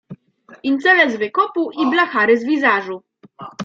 Incele z Wykopu i blachary z Wizażu.